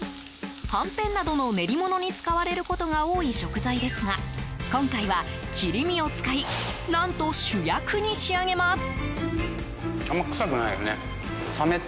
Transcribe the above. はんぺんなどの練り物に使われることが多い食材ですが今回は切り身を使い何と主役に仕上げます。